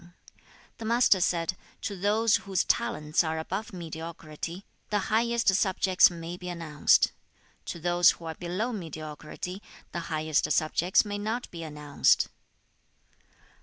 The Master said, 'To those whose talents are above mediocrity, the highest subjects may be announced. To those who are below mediocrity, the highest subjects may not be announced.'